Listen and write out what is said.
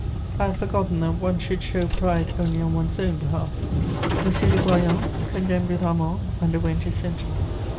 I had forgotten that one should show pride only on one's own behalf. [Sidenote: His execution.] M. de Goyon, condemned with Armand, underwent his sentence.